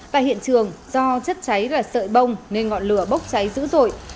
tại hiện trường do chất cháy là sợi bông nên ngọn lửa bốc cháy dữ dội